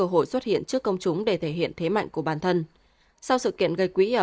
ứng viên xuất hiện trước công chúng để thể hiện thế mạnh của bản thân sau sự kiện gây quý ở